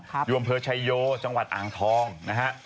อยู่อำเภอชายโยจังหวัดอ่างทองนะฮะ